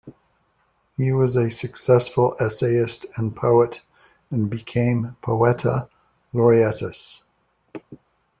He was a successful essayist and poet, and became "poeta laureatus".